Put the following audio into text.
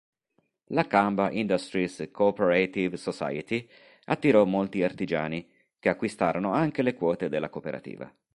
L'Akamba Industries Cooperative Society attirò molti artigiani, che acquistarono anche le quote della cooperativa.